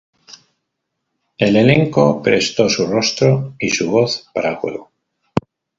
El elenco prestó su rostro y su voz para el juego.